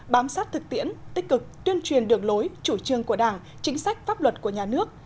bám sát thực tiễn tích cực tuyên truyền đường lối chủ trương của đảng chính sách pháp luật của nhà nước